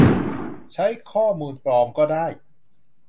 ใช้ข้อมูลปลอมก็ได้